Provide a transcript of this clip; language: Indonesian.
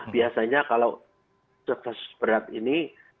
biasanya kalau cerdas berat ini